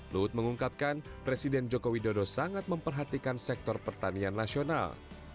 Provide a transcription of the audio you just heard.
luhut mengungkapkan presiden joko widodo sangat memperhatikan sektor pertanian nasional